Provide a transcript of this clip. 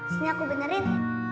sini aku benerin